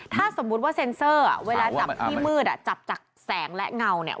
ถ้าสมมุติว่าเซ็นเซอร์เวลาจับที่มืดอ่ะจับจากแสงและเงาเนี่ย